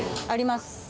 あります。